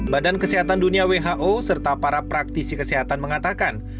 badan kesehatan dunia who serta para praktisi kesehatan mengatakan